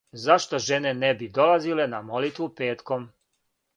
Зашто жене не би долазиле на молитву петком?